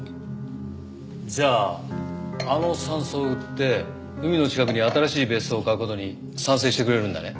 じゃああの山荘を売って海の近くに新しい別荘を買う事に賛成してくれるんだね？